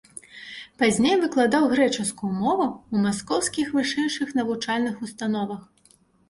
Пазней выкладаў грэчаскую мову ў маскоўскіх вышэйшых навучальных установах.